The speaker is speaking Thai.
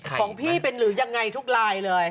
ของพี่เป็นหรือยังไงทุกลายเลย